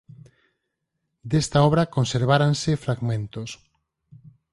Desta obra conserváranse fragmentos.